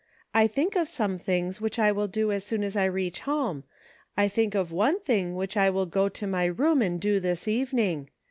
I think of some things which I will do as soon as I reach home ; I think of one thing which I will go to my room and do this evening.